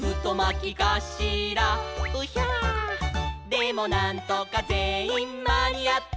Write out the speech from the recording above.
「でもなんとかぜんいんまにあって」